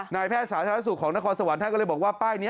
แพทย์สาธารณสุขของนครสวรรค์ท่านก็เลยบอกว่าป้ายนี้